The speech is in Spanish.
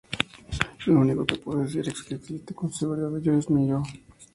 Lo único que puedo decir que existe con seguridad es mi yo.